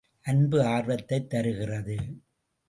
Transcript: அன்பு, ஆர்வத்தைத் தருகிறது.